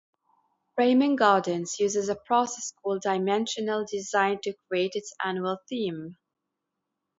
Reiman Gardens uses a process called Dimensional Design to create its annual theme.